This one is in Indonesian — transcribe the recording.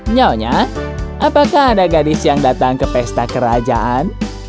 nyonya apakah ada gadis yang datang ke pesta kerajaan